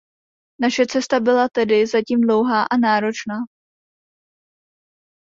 Naše cesta byla tedy zatím dlouhá a náročná.